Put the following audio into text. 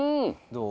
どう？